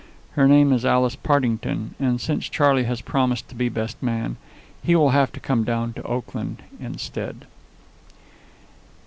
Her name is Alice Partington, and, since Charley has promised to be best man, he will have to come down to Oakland instead.